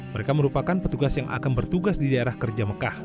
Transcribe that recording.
mereka merupakan petugas yang akan bertugas di daerah kerja mekah